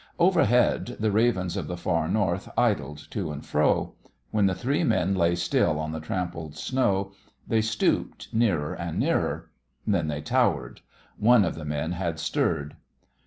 Overhead the ravens of the far north idled to and fro. When the three men lay still on the trampled snow, they stooped, nearer and nearer. Then they towered. One of the men had stirred.